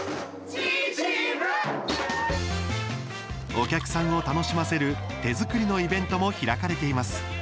お客さんを楽しませる手作りのイベントも開かれてます。